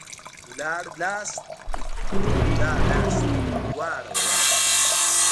ولاړلاست او ولاړاست دواړه ويلاى سو.